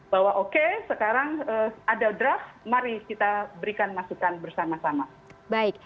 bahwa oke sekarang ada draft mari kita berikan masukan bersama sama